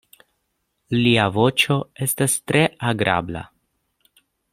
Lia voĉo estas tre agrabla.